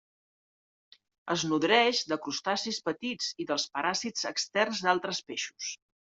Es nodreix de crustacis petits i dels paràsits externs d'altres peixos.